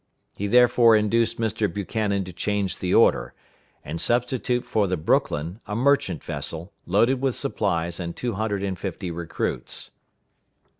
He therefore induced Mr. Buchanan to change the order, and substitute for the Brooklyn a merchant vessel, loaded with supplies and two hundred and fifty recruits.